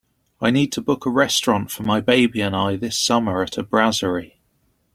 I need to book a restaurant for my baby and I this summer at a brasserie